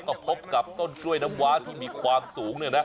ก็พบกับต้นกล้วยน้ำว้าที่มีความสูงเนี่ยนะ